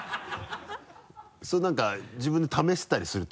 その何か自分で試したりする？